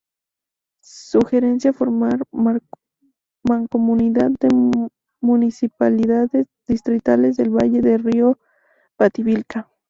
Sugerencia formar mancomunidad de municipalidades distritales del valle del río Pativilca.